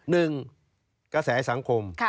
หนึ่งกระแสสังคม